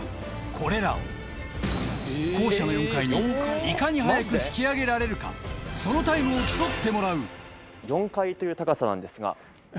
これらを校舎の４階にいかに早く引き上げられるかそのタイムを競ってもらう４階という高さなんですが。